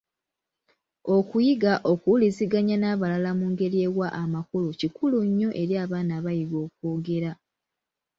Okuyiga okuwuliziganya n’abalala mu ngeri ewa amakulu kikulu nnyo eri abaana abayiga okwogera.